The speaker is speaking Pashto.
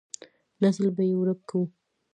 نسل به يې ورک کو.